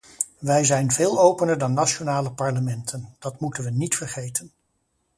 Wij zijn veel opener dan nationale parlementen, dat moeten we niet vergeten.